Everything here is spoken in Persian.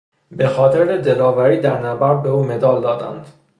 به خاطر دلاوری در نبرد به او مدال دادند.